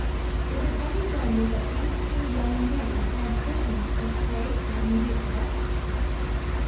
Is it any wonder that these two young men had visions of great and immediate wealth?